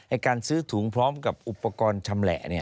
การซื้อถุงพร้อมกับอุปกรณ์ชำแหละ